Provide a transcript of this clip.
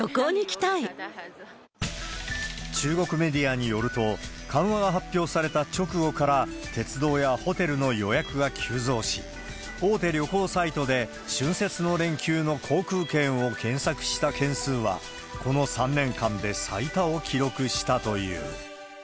中国メディアによると、緩和が発表された直後から、鉄道やホテルの予約が急増し、大手旅行サイトで春節の連休の航空券を検索した件数は、この３年間で最多を記録したという。